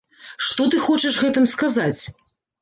Што ты хочаш гэтым сказаць?